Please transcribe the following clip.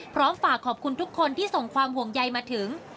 พร้อมฝากขอบคุณทุกคนที่ส่งความห่วงใยมาถึง